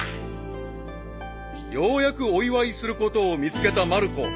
［ようやくお祝いすることを見つけたまる子］